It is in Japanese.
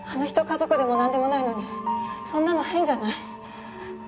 家族でも何でもないのにそんなの変じゃない？